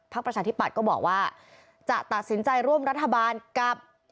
ประชาธิปัตย์ก็บอกว่าจะตัดสินใจร่วมรัฐบาลกับ